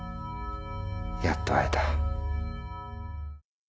やっと会えた。